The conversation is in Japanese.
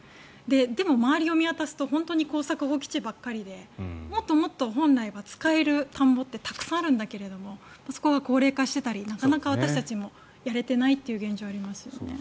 でも周りを見渡すと本当に耕作放棄地ばっかりでもっともっと本来は使えるたんぼってたくさんあるんだけどそこが高齢化していたりなかなか私たちもやれていない現状がありますよね。